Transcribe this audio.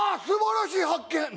素晴らしい発見！